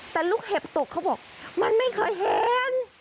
แต่ลูกเห็บตกเขาบอกมันไม่เคยเห็น